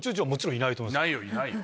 いないよいないよ。